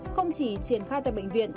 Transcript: không chỉ triển khai tại bệnh viện